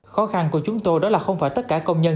khó khăn của chúng tôi đó là không phải tất cả công nhân